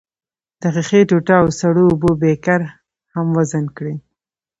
د ښيښې ټوټه او سړو اوبو بیکر هم وزن کړئ.